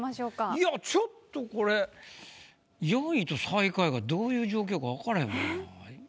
いやちょっとこれ４位と最下位がどういう状況か分かれへんもんな。